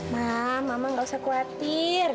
mah mama gak usah khawatir